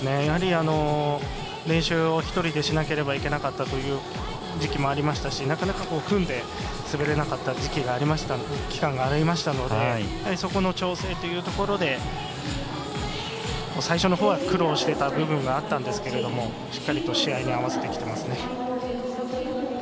やはり練習を１人でしなければいけなかったという時期もありましたしなかなか組んで滑れなかった期間がありましたのでそこの調整というところで最初のころは苦労してた部分があったんですけれどもしっかりと試合に合わせてきていますね。